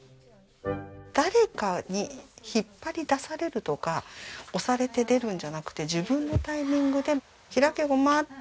誰かに引っ張り出されるとか押されて出るんじゃなくて自分のタイミングで「ひらけごま！」っていう魔法の言葉を唱えて